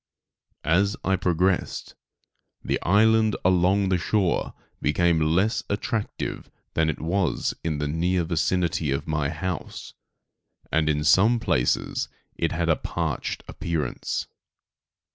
As I progressed, the island along the shore became less attractive than it was in the near vicinity of my house; and in some places it had a parched appearance.